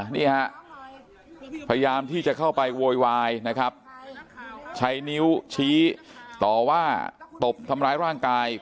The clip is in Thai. นี่ฮะพยายามที่จะเข้าไปโวยวายนะครับใช้นิ้วชี้ต่อว่าตบทำร้ายร่างกาย